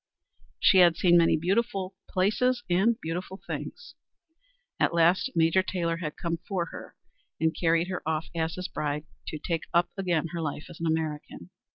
She had seen many beautiful places and beautiful things. At last Major Taylor had come for her and carried her off as his bride to take up again her life as an American.